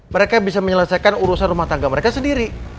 mereka bisa menyelesaikan urusan rumah tangga mereka sendiri